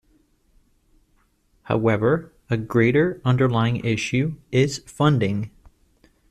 However, a greater underlying issue is funding.